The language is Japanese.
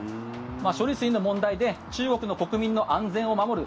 処理水の問題で中国の国民の安全を守る。